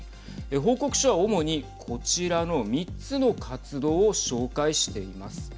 報告書は、主にこちらの３つの活動を紹介しています。